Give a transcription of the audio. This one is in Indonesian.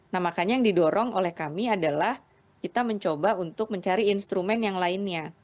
nah makanya yang didorong oleh kami adalah kita mencoba untuk mencari instrumen yang lainnya